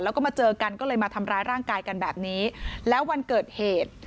แล้วก็มาเจอกันก็เลยมาทำร้ายร่างกายกันแบบนี้แล้ววันเกิดเหตุ